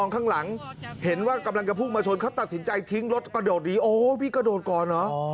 เขาตัดสินใจทิ้งรถประโดดดีโอ้พี่ประโดดก่อนหรอ